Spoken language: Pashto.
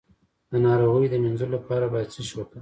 د ناروغۍ د مینځلو لپاره باید څه شی وکاروم؟